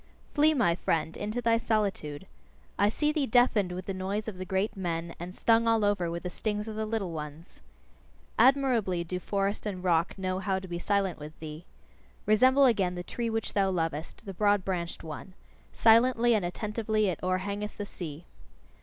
Flee, my friend, into thy solitude! I see thee deafened with the noise of the great men, and stung all over with the stings of the little ones. Admirably do forest and rock know how to be silent with thee. Resemble again the tree which thou lovest, the broad branched one silently and attentively it o'erhangeth the sea.